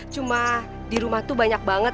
cuma di rumah tuh banyak banget